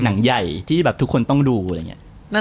หนังใหญ่ที่แบบทุกคนต้องดูอะไรอย่างนี้